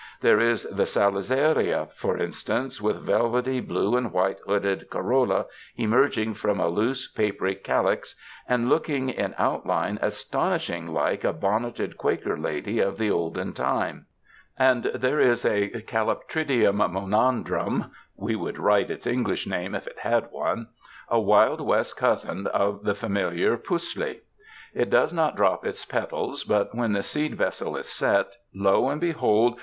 There is the sala zaria, for instance, with velvety blue and white hooded corolla emerging from a loose, papery calyx and looking in outline astonishingly like a bonneted Quaker lady of the olden time. And there is calyp 45 UNDER THE SKY IN CALIFORNIA tridium monandrum (we would write its English name if it had one) a Wild West cousin of the fa miliar "pusley. " It does not drop its petals, but when the seed vessel is set, lo and behold!